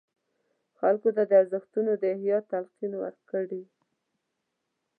خلکو ته د ارزښتونو د احیا تلقین ورکړي.